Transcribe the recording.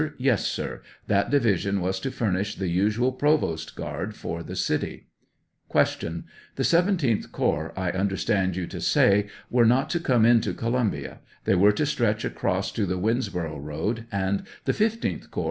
Yes, sir ; that division was to furnish the usual provost guard for the city. Q. The 17th corps, I understand you to say, were not to come into Columbia ; they were to stretch across to the Winnsboro' road, and the 15th corps was to enter Columbia. A.